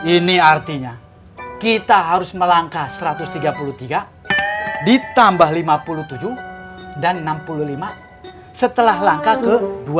ini artinya kita harus melangkah satu ratus tiga puluh tiga ditambah lima puluh tujuh dan enam puluh lima setelah langka ke dua puluh